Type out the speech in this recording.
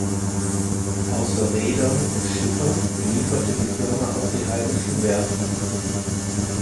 Außer Reedern und Schiffern belieferte die Firma auch die heimischen Werften.